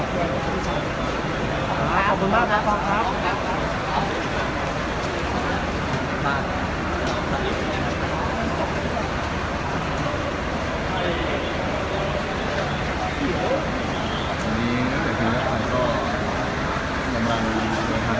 เดี๋ยวฉันก็ไปแล้วนะครับฉันไปบ้านแล้ว